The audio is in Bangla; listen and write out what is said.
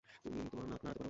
তুমি তোমার নাক নাড়াতে পারো?